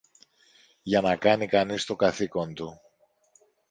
για να κάνει κανείς το καθήκον του.